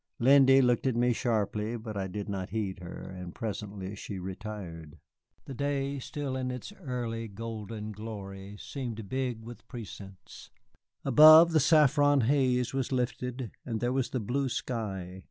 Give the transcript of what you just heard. Lindy looked at me sharply, but I did not heed her, and presently she retired. The day, still in its early golden glory, seemed big with prescience. Above, the saffron haze was lifted, and there was the blue sky.